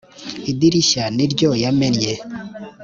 idirishya ni ryo yamennye.